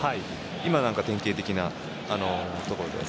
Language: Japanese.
今なんか典型的なところで。